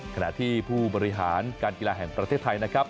ขณะที่ผู้บริหารการกีฬาแห่งประเทศไทยนะครับ